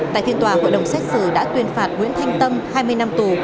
tại phiên tòa hội đồng xét xử đã tuyên phạt nguyễn thanh tâm hai mươi năm tù